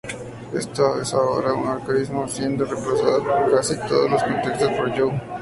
Esto es ahora un arcaísmo, siendo reemplazado en casi todos los contextos por "you".